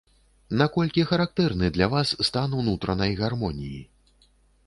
Наколькі характэрны для вас стан унутранай гармоніі?